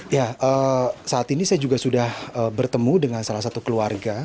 ya saat ini saya juga sudah bertemu dengan salah satu keluarga